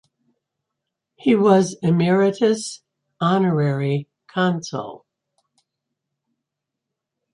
He was Emeritus Honorary Consul.